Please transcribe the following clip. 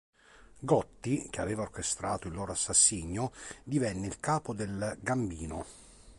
Gotti, che aveva orchestrato il loro assassinio, divenne il capo del Gambino.